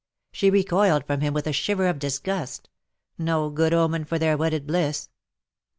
She recoiled from him with a shiver of disgust — no good omen for their •wedded bliss.